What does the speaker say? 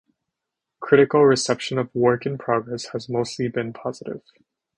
Critical reception of "Work in Progress" has been mostly positive.